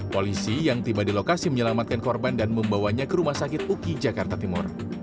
polisi yang tiba di lokasi menyelamatkan korban dan membawanya ke rumah sakit uki jakarta timur